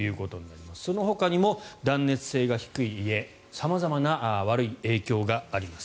そのほかにも断熱性が低い家様々な悪い影響があります。